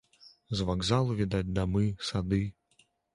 З вакзалу відаць дамы, сады.